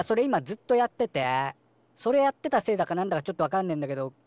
今ずっとやっててそれやってたせいだかなんだかちょっとわかんねえんだけど